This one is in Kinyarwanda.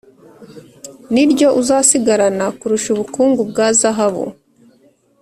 niryo uzasigarana kurusha ubukungu bwa zahabu.